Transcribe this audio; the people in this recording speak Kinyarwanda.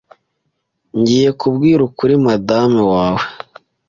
Ngiye kubwira ukuri madame wawe.